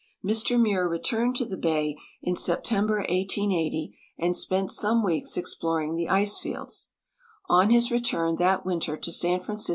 Mr Muir returned to the bay in September, 1880, and spent some weeks exploring the ice fields. On his return that winter to San Franci.